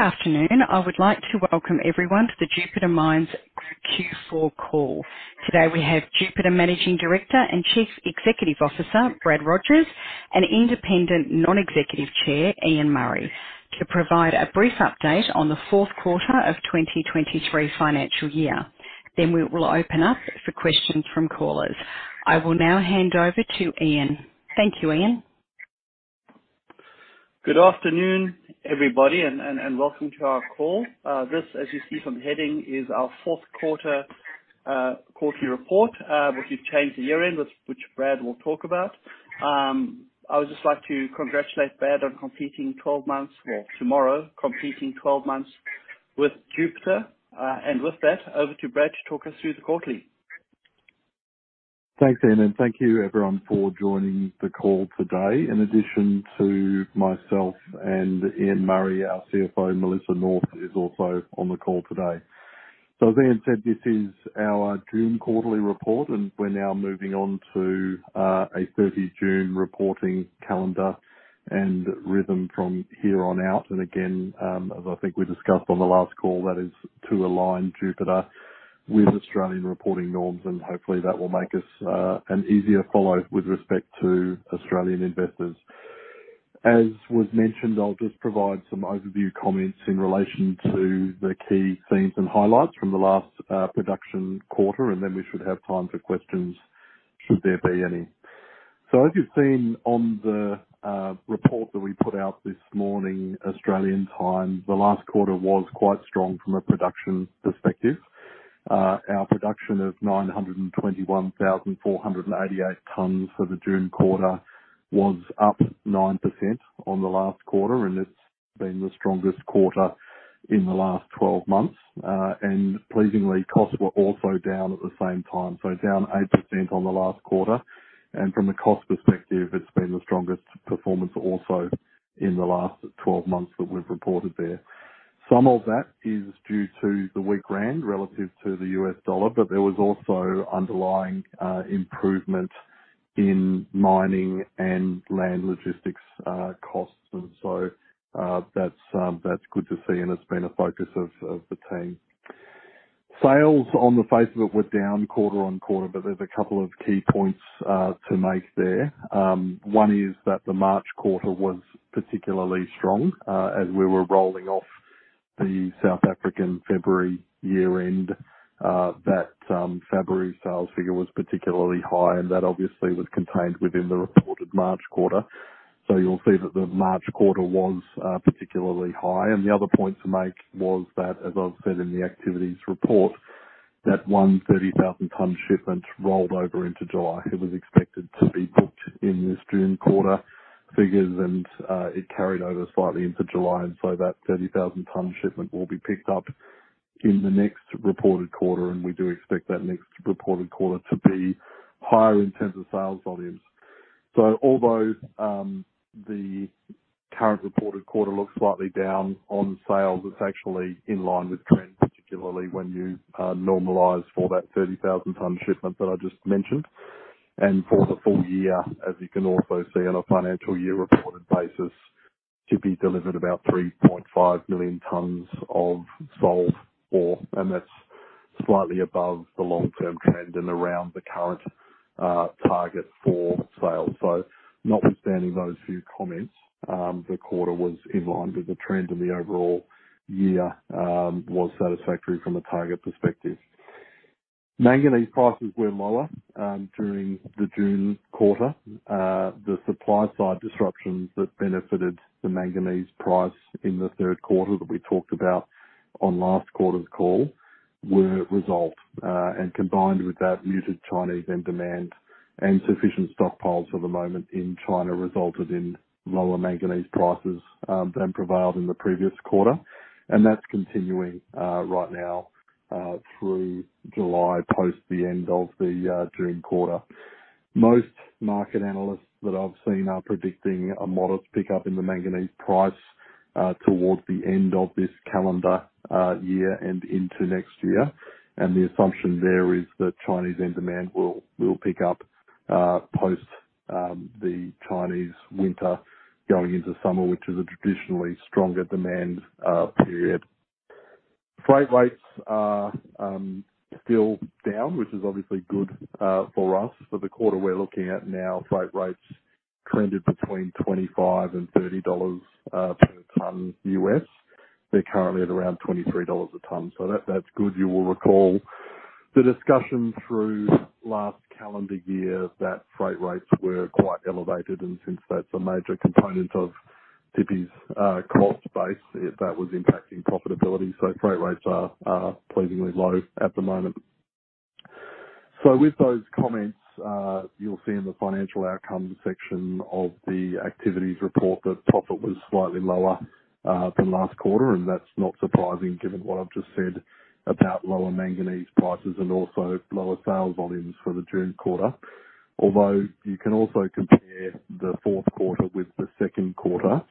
Good afternoon. I would like to welcome everyone to the Jupiter Mines Group Q4 call. Today, we have Jupiter Managing Director and Chief Executive Officer, Brad Rogers, and Independent Non-Executive Chair, Ian Murray, to provide a brief update on the fourth quarter of 2023 financial year. We will open up for questions from callers. I will now hand over to Ian. Thank you, Ian. Good afternoon, everybody, and welcome to our call. This, as you see from the heading, is our fourth quarter quarterly report, which we've changed the year-end, which Brad will talk about. I would just like to congratulate Brad on completing 12 months, or tomorrow, completing 12 months with Jupiter. With that, over to Brad to talk us through the quarterly. Thanks, Ian, thank you everyone for joining the call today. In addition to myself and Ian Murray, our CFO, Melissa North, is also on the call today. As Ian said, this is our June quarterly report, and we're now moving on to a 30 June reporting calendar and rhythm from here on out. Again, as I think we discussed on the last call, that is to align Jupiter with Australian reporting norms, and hopefully, that will make us an easier follow with respect to Australian investors. As was mentioned, I'll just provide some overview comments in relation to the key themes and highlights from the last production quarter, and then we should have time for questions, should there be any. As you've seen on the report that we put out this morning, Australian time, the last quarter was quite strong from a production perspective. Our production of 921,488 tons for the June quarter was up 9% on the last quarter, and it's been the strongest quarter in the last 12 months. Pleasingly, costs were also down at the same time, so down 8% on the last quarter. From a cost perspective, it's been the strongest performance also in the last 12 months that we've reported there. Some of that is due to the weak rand relative to the US dollar, but there was also underlying improvement in mining and land logistics costs. That's good to see, and it's been a focus of the team. Sales on the face of it were down quarter on quarter. There's a couple of key points to make there. One is that the March quarter was particularly strong as we were rolling off the South African February year-end. That February sales figure was particularly high, and that obviously was contained within the reported March quarter. You'll see that the March quarter was particularly high. The other point to make was that, as I've said in the activities report, that 130,000 ton shipment rolled over into July. It was expected to be booked in this June quarter figures, and it carried over slightly into July, and so that 30,000 ton shipment will be picked up in the next reported quarter, and we do expect that next reported quarter to be higher in terms of sales volumes. Although the current reported quarter looks slightly down on sales, it's actually in line with trend, particularly when you normalize for that 30,000 ton shipment that I just mentioned. For the full year, as you can also see on a financial year reported basis, Tshipi delivered about 3.5 million tons of sold ore, and that's slightly above the long-term trend and around the current target for sales. Notwithstanding those few comments, the quarter was in line with the trend in the overall year, was satisfactory from a target perspective. manganese prices were lower during the June quarter. The supply side disruptions that benefited the manganese price in the third quarter that we talked about on last quarter's call were resolved. Combined with that, muted Chinese end demand and sufficient stockpiles at the moment in China resulted in lower manganese prices than prevailed in the previous quarter. That's continuing right now through July, post the end of the June quarter. Most market analysts that I've seen are predicting a modest pickup in the manganese price towards the end of this calendar year and into next year. The assumption there is that Chinese end demand will pick up post the Chinese winter going into summer, which is a traditionally stronger demand period. Freight rates are still down, which is obviously good for us. For the quarter we're looking at now, freight rates trended between $25 and $30 per ton U.S. They're currently at around $23 a ton, that's good. You will recall the discussion through last calendar year that freight rates were quite elevated. Since that's a major component of Tshipi's cost base, if that was impacting profitability, freight rates are pleasingly low at the moment. With those comments, you'll see in the financial outcomes section of the activities report that profit was slightly lower than last quarter. That's not surprising given what I've just said about lower manganese prices and also lower sales volumes for the June quarter. Although you can also compare the fourth quarter with the second quarter,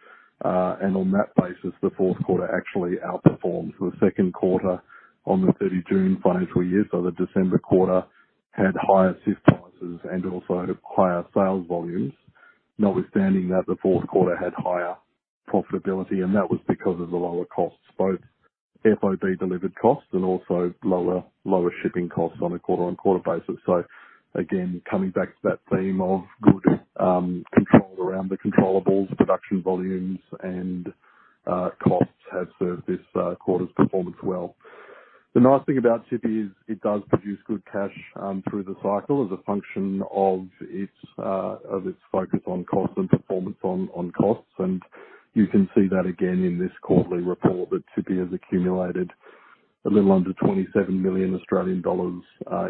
and on that basis, the fourth quarter actually outperforms the second quarter on the 30 June financial year. The December quarter had higher CIF prices and also had higher sales volumes. Notwithstanding that, the fourth quarter had higher profitability. That was because of the lower costs, both FOB delivered costs and also lower shipping costs on a quarter-on-quarter basis. Again, coming back to that theme of good control around the controllables, production volumes and costs have served this quarter's performance well. The nice thing about Tshipi is it does produce good cash through the cycle as a function of its focus on cost and performance on costs. You can see that again in this quarterly report, that Tshipi has accumulated a little under 27 million Australian dollars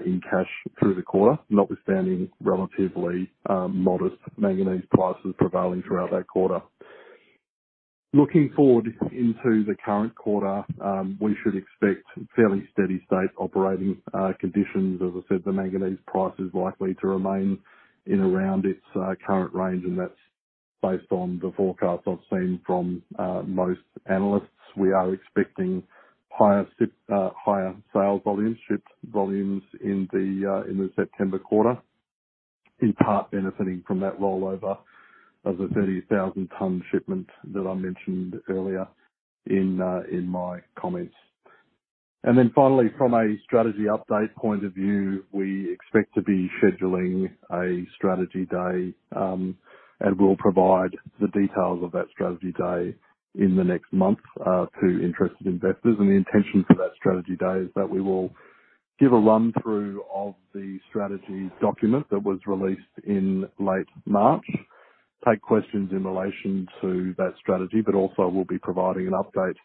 in cash through the quarter, notwithstanding relatively modest manganese prices prevailing throughout that quarter. Looking forward into the current quarter, we should expect fairly steady state operating conditions. As I said, the manganese price is likely to remain in around its current range, and that's based on the forecast I've seen from most analysts. We are expecting higher ship, higher sales volumes, ship volumes in the September quarter, in part benefiting from that rollover of the 30,000 ton shipment that I mentioned earlier in my comments. Finally, from a strategy update point of view, we expect to be scheduling a strategy day, and we'll provide the details of that strategy day in the next month to interested investors. The intention for that strategy day is that we will give a run through of the strategy document that was released in late March, take questions in relation to that strategy, but also we'll be providing an update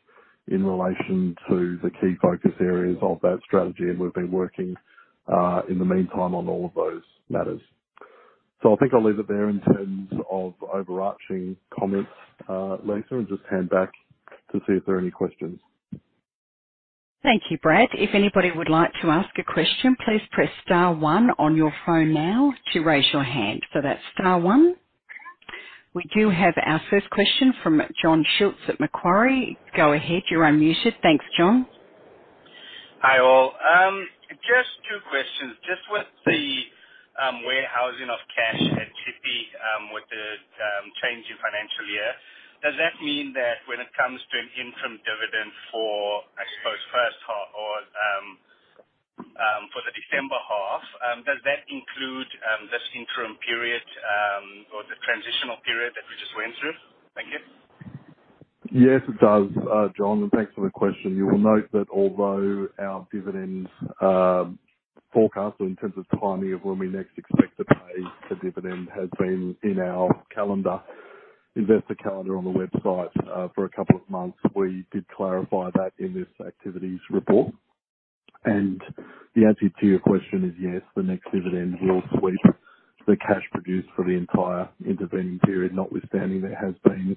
in relation to the key focus areas of that strategy. We've been working in the meantime on all of those matters. I think I'll leave it there in terms of overarching comments, Lisa, and just hand back to see if there are any questions. Thank you, Brad. If anybody would like to ask a question, please press star one on your phone now to raise your hand. That's star one. We do have our first question from John Schulz at Macquarie. Go ahead. You're unmuted. Thanks, John. Hi, all. Just two questions. Just with the warehousing of cash at Tshipi, with the change in financial year, does that mean that when it comes to an interim dividend for, I suppose, first half or for the December half, does that include this interim period or the transitional period that we just went through? Thank you. Yes, it does, John, and thanks for the question. You will note that although our dividend, forecast, or in terms of timing of when we next expect to pay the dividend, has been in our calendar, investor calendar on the website, for a couple of months. We did clarify that in this activities report. The answer to your question is yes, the next dividend will sweep the cash produced for the entire intervening period, notwithstanding there has been,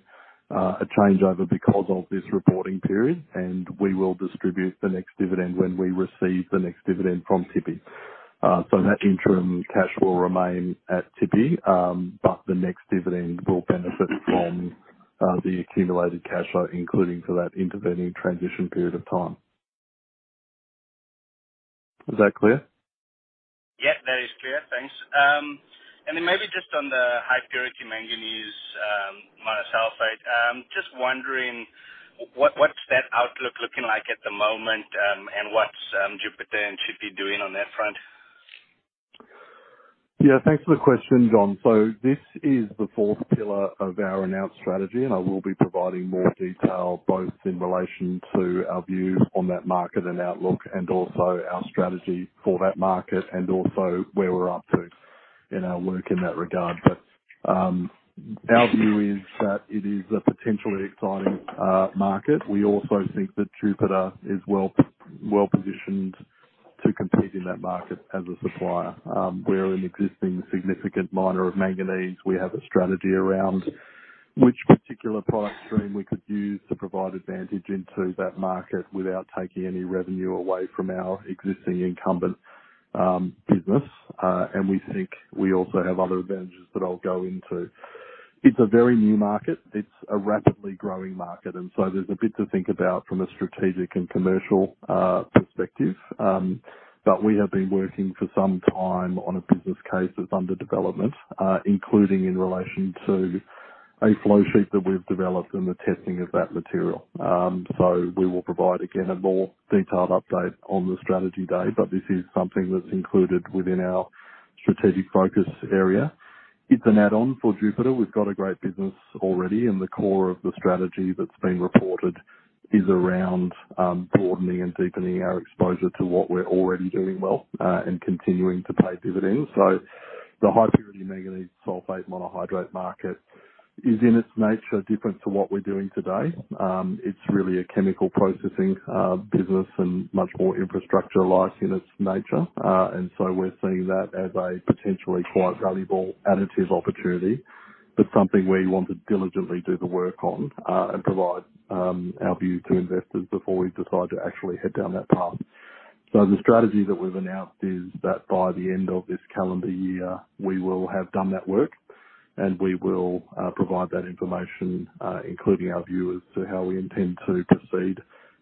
a changeover because of this reporting period, and we will distribute the next dividend when we receive the next dividend from Tshipi. That interim cash will remain at Tshipi, but the next dividend will benefit from the accumulated cash flow, including for that intervening transition period of time. Is that clear? Yeah, that is clear. Thanks. Maybe just on the High-Purity Manganese Sulfate Monohydrate, just wondering, what's that outlook looking like at the moment? What's Jupiter and Tshipi doing on that front? Thanks for the question, John. This is the fourth pillar of our announced strategy, and I will be providing more detail both in relation to our view on that market and outlook and also our strategy for that market and also where we're up to in our work in that regard. Our view is that it is a potentially exciting market. We also think that Jupiter is well, well-positioned to compete in that market as a supplier. We're an existing significant miner of manganese. We have a strategy around which particular product stream we could use to provide advantage into that market without taking any revenue away from our existing incumbent business. And we think we also have other advantages that I'll go into. It's a very new market. It's a rapidly growing market. There's a bit to think about from a strategic and commercial perspective. We have been working for some time on a business case that's under development, including in relation to a flow sheet that we've developed and the testing of that material. We will provide, again, a more detailed update on the strategy day. This is something that's included within our strategic focus area. It's an add-on for Jupiter. We've got a great business already. The core of the strategy that's been reported is around broadening and deepening our exposure to what we're already doing well and continuing to pay dividends. The High-Purity Manganese Sulfate Monohydrate market is, in its nature, different to what we're doing today. It's really a chemical processing business and much more infrastructure-like in its nature. We're seeing that as a potentially quite valuable additive opportunity, but something we want to diligently do the work on and provide our view to investors before we decide to actually head down that path. The strategy that we've announced is that by the end of this calendar year, we will have done that work, and we will provide that information, including our view as to how we intend to proceed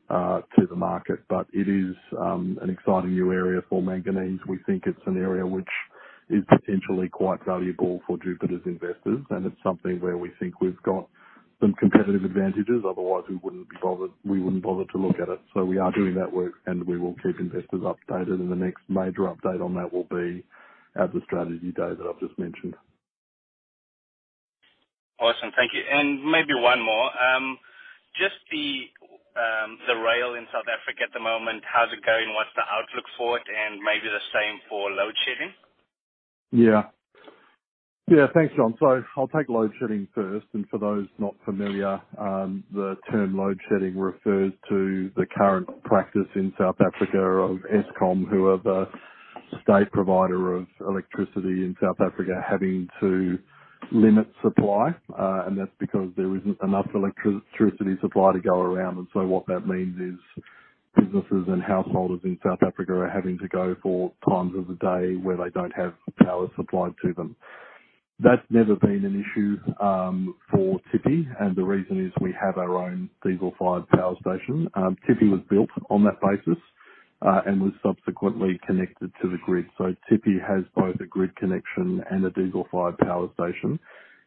to the market. It is an exciting new area for manganese. We think it's an area which is potentially quite valuable for Jupiter's investors, and it's something where we think we've got some competitive advantages. Otherwise, we wouldn't bother to look at it. We are doing that work, and we will keep investors updated, and the next major update on that will be at the strategy day that I've just mentioned. Awesome. Thank you. Maybe one more. Just the rail in South Africa at the moment, how's it going? What's the outlook for it? Maybe the same for load shedding. Yeah. Yeah, thanks, John. I'll take load shedding first, for those not familiar, the term load shedding refers to the current practice in South Africa of Eskom, who are the state provider of electricity in South Africa, having to limit supply, that's because there isn't enough electricity supply to go around. What that means is businesses and householders in South Africa are having to go for times of the day where they don't have power supplied to them. That's never been an issue, for Tshipi, the reason is we have our own diesel-fired power station. Tshipi was built on that basis, was subsequently connected to the grid. Tshipi has both a grid connection and a diesel-fired power station.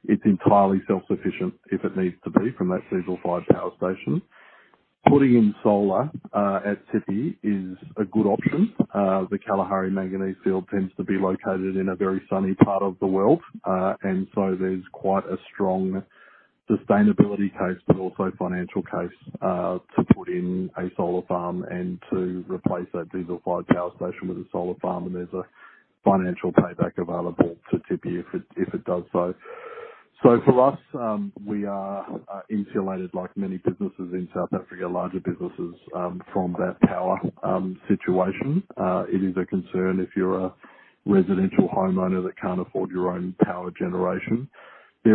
It's entirely self-sufficient if it needs to be from that diesel-fired power station. Putting in solar at Tshipi is a good option. The Kalahari Manganese Field tends to be located in a very sunny part of the world. There's quite a strong sustainability case, but also a financial case to put in a solar farm and to replace that diesel-fired power station with a solar farm, and there's a financial payback available to Tshipi if it, if it does so. For us, we are insulated, like many businesses in South Africa, larger businesses, from that power situation. It is a concern if you're a residential homeowner that can't afford your own power generation. There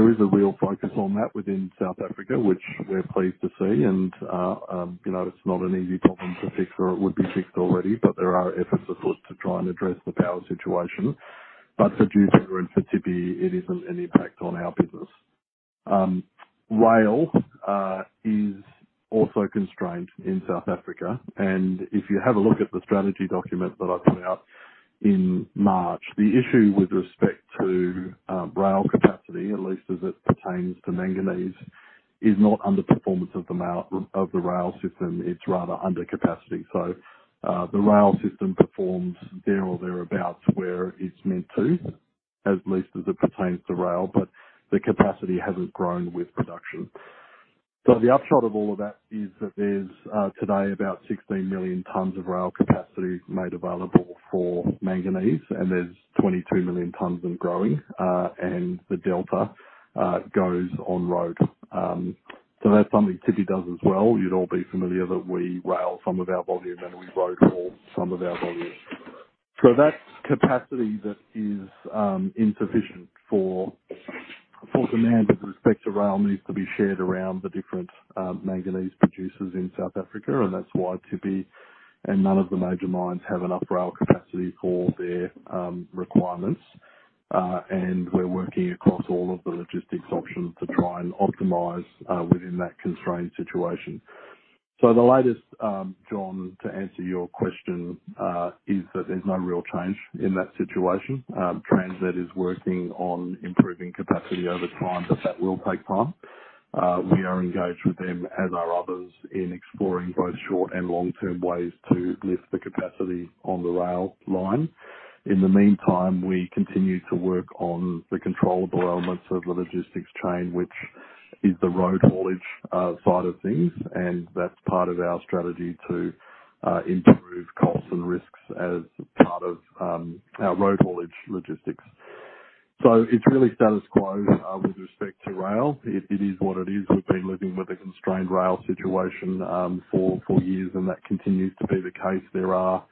is a real focus on that within South Africa, which we're pleased to see, and, you know, it's not an easy problem to fix, or it would be fixed already, but there are efforts afoot to try and address the power situation. For Jupiter and for Tshipi, it isn't an impact on our business. Rail is also constrained in South Africa, and if you have a look at the strategy document that I put out in March, the issue with respect to rail capacity, at least as it pertains to manganese, is not underperformance of the rail system, it's rather under capacity. The rail system performs there or thereabouts, where it's meant to, at least as it pertains to rail, but the capacity hasn't grown with production. The upshot of all of that is that there's, today, about 16 million tons of rail capacity made available for manganese, and there's 22 million tons and growing, and the delta goes on road. That's something Tshipi does as well. You'd all be familiar that we rail some of our volume, and we road haul some of our volume. That capacity that is insufficient for, for demand with respect to rail, needs to be shared around the different manganese producers in South Africa, and that's why Tshipi and none of the major mines have enough rail capacity for their requirements. We're working across all of the logistics options to try and optimize within that constrained situation. The latest, John, to answer your question, is that there's no real change in that situation. Transnet is working on improving capacity over time, but that will take time. We are engaged with them, as are others, in exploring both short and long-term ways to lift the capacity on the rail line. In the meantime, we continue to work on the controllable elements of the logistics chain, which is the road haulage side of things, and that's part of our strategy to improve costs and risks as part of our road haulage logistics. It's really status quo with respect to rail. It, it is what it is. We've been living with a constrained rail situation for years, and that continues to be the case. There are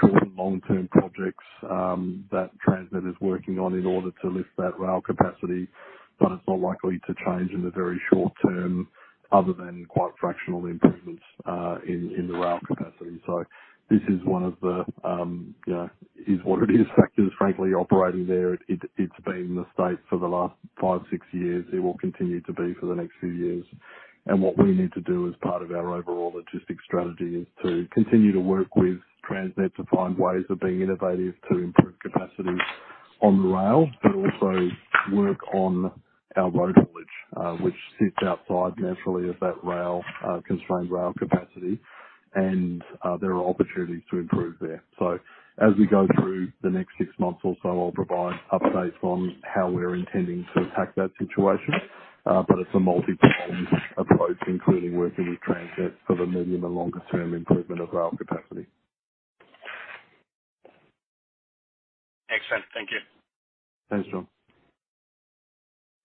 short- and long-term projects that Transnet is working on in order to lift that rail capacity, but it's not likely to change in the very short-term, other than quite fractional improvements in, in the rail capacity. This is one of the, yeah, is what it is factors, frankly, operating there. It, it's been the state for the last five, six years. It will continue to be for the next few years. What we need to do as part of our overall logistics strategy is to continue to work with Transnet to find ways of being innovative, to improve capacity on the rail, but also work on our road haulage, which sits outside naturally of that rail, constrained rail capacity. There are opportunities to improve there. As we go through the next six months or so, I'll provide updates on how we're intending to attack that situation. It's a multi-pronged approach, including working with Transnet for the medium and longer-term improvement of rail capacity. Excellent. Thank you. Thanks, John.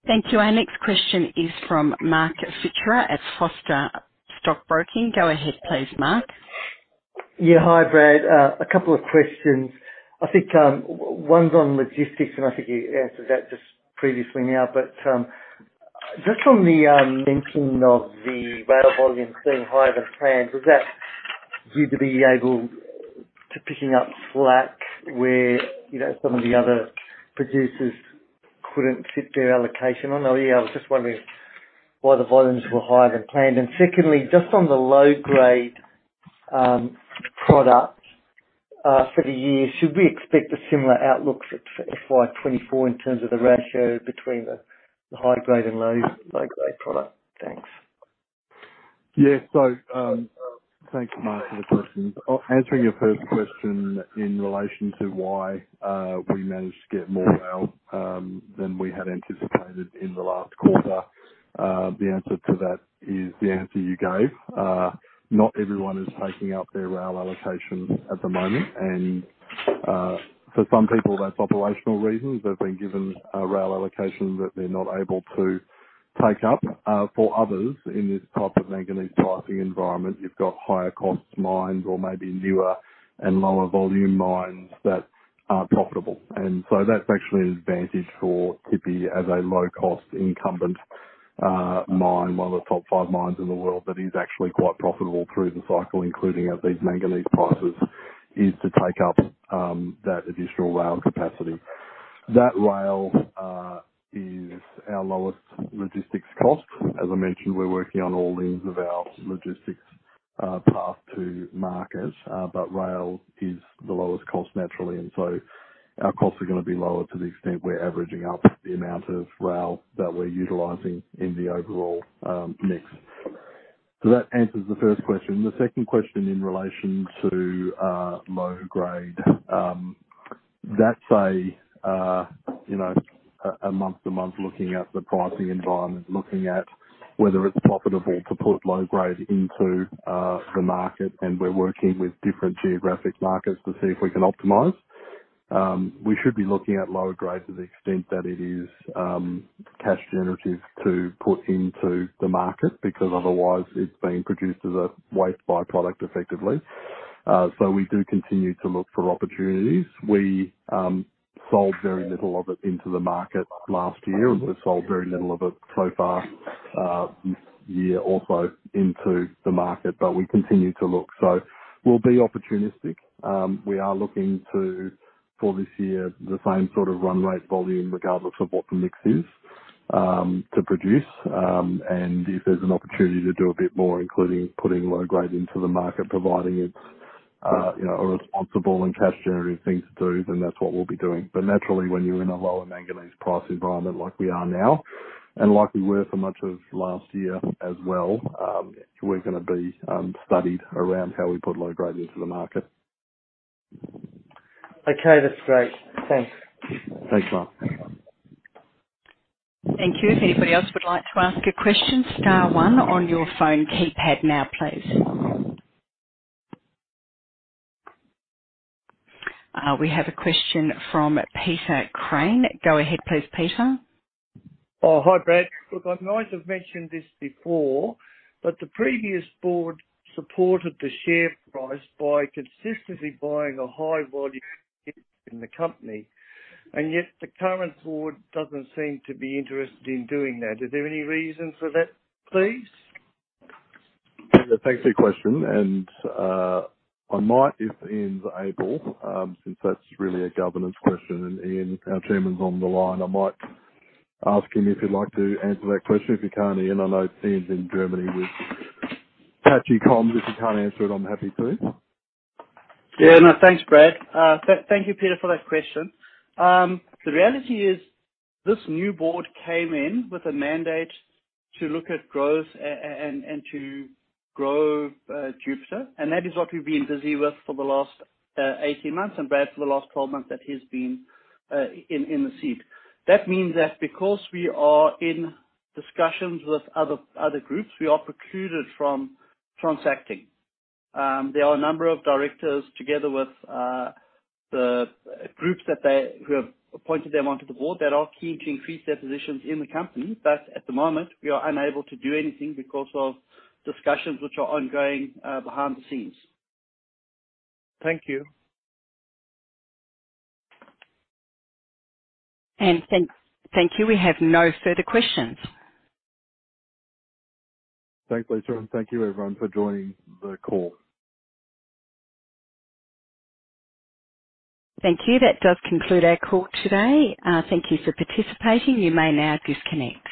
Thank you. Our next question is from Mark Fichera at Foster Stockbroking. Go ahead, please, Mark. Yeah. Hi, Brad. A couple of questions. I think, one's on logistics, and I think you answered that just previously now, but, just on the mentioning of the rail volume being higher than planned, was that due to be able to picking up slack where, you know, some of the other producers couldn't fit their allocation on there? I was just wondering why the volumes were higher than planned. Secondly, just on the low grade product, for the year, should we expect a similar outlook for FY 2024 in terms of the ratio between the, the high grade and low, low grade product? Thanks. Yeah. Thank you, Mark, for the question. Answering your first question in relation to why we managed to get more rail than we had anticipated in the last quarter. The answer to that is the answer you gave. Not everyone is taking up their rail allocations at the moment, and for some people, that's operational reasons. They've been given a rail allocation that they're not able to take up. For others, in this type of manganese pricing environment, you've got higher cost mines or maybe newer and lower volume mines that aren't profitable. That's actually an advantage for Tshipi as a low-cost incumbent mine, one of the top five mines in the world, that is actually quite profitable through the cycle, including at these manganese prices, is to take up that additional rail capacity. That rail is our lowest logistics cost. As I mentioned, we're working on all links of our logistics path to market, but rail is the lowest cost naturally, and so our costs are gonna be lower to the extent we're averaging up the amount of rail that we're utilizing in the overall mix. So that answers the first question. The second question in relation to low grade. That's a, you know, a month to month looking at the pricing environment, looking at whether it's profitable to put low grade into the market, and we're working with different geographic markets to see if we can optimize. We should be looking at lower grade to the extent that it is cash generative to put into the market, because otherwise it's being produced as a waste byproduct effectively. We do continue to look for opportunities. We sold very little of it into the market last year, and we've sold very little of it so far, this year also into the market, but we continue to look. We'll be opportunistic. We are looking to, for this year, the same sort of run rate volume, regardless of what the mix is, to produce. If there's an opportunity to do a bit more, including putting low grade into the market, providing it's, you know, a responsible and cash generative thing to do, then that's what we'll be doing. Naturally, when you're in a lower manganese price environment like we are now, and like we were for much of last year as well, we're gonna be studied around how we put low grade into the market. Okay, that's great. Thanks. Thanks, Mark. Thank you. If anybody else would like to ask a question, star one on your phone keypad now, please. We have a question from Peter Crane. Go ahead please, Peter. Oh, hi, Brad. Look, I might have mentioned this before, but the previous board supported the share price by consistently buying a high volume in the company, and yet the current board doesn't seem to be interested in doing that. Is there any reason for that, please? Thanks for your question, and, I might, if Ian's able, since that's really a governance question and Ian, our chairman, is on the line, I might ask him if he'd like to answer that question. If you can, Ian. I know Ian's in Germany with patchy comms. If you can't answer it, I'm happy to. Yeah. No. Thanks, Brad. Thank you, Peter, for that question. The reality is this new board came in with a mandate to look at growth and to grow Jupiter, and that is what we've been busy with for the last 18 months, and Brad, for the last 12 months, that he's been in the seat. That means that because we are in discussions with other, other groups, we are precluded from transacting. There are a number of directors together with the groups Who have appointed them onto the board that are keen to increase their positions in the company. At the moment, we are unable to do anything because of discussions which are ongoing behind the scenes. Thank you. Thank, thank you. We have no further questions. Thanks, Lisa, and thank you everyone for joining the call. Thank you. That does conclude our call today. Thank you for participating. You may now disconnect.